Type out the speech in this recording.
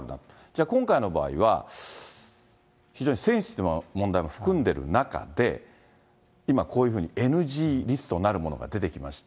じゃあ今回の場合は、非常にセンシティブな問題を含んでいる中で、今こういうふうにＮＧリストなるものが出てきました。